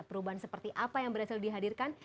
perubahan seperti apa yang berhasil dihadirkan